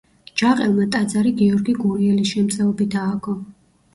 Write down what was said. ჯაყელმა ტაძარი გიორგი გურიელის შემწეობით ააგო.